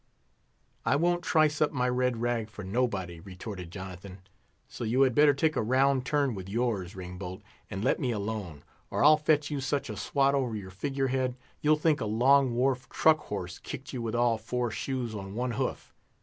"I won't trice up my red rag for nobody," retorted Jonathan. "So you had better take a round turn with yours, Ringbolt, and let me alone, or I'll fetch you such a swat over your figure head, you'll think a Long Wharf truck horse kicked you with all four shoes on one hoof!